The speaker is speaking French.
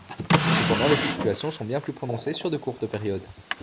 Cependant, les fluctuations sont bien plus prononcées sur de courtes périodes.